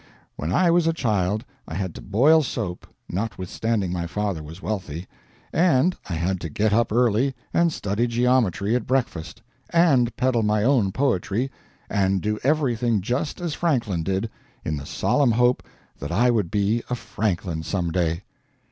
When I was a child I had to boil soap, notwithstanding my father was wealthy, and I had to get up early and study geometry at breakfast, and peddle my own poetry, and do everything just as Franklin did, in the solemn hope that I would be a Franklin some day.